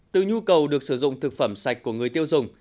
từ nhu cầu được sử dụng thực phẩm sạch của người tiêu dùng